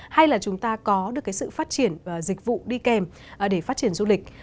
hay là chúng ta có được cái sự phát triển dịch vụ đi kèm để phát triển du lịch